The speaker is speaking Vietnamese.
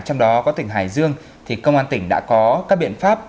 trong đó có tỉnh hải dương thì công an tỉnh đã có các biện pháp